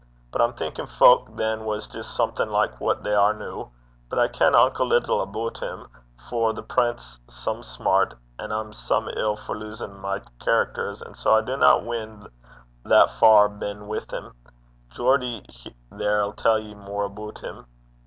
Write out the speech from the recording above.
But I'm thinkin' fowk than was jist something like what they are noo. But I ken unco little aboot him, for the prent 's some sma', and I'm some ill for losin' my characters, and sae I dinna win that far benn wi' him. Geordie there 'll tell ye mair aboot him.'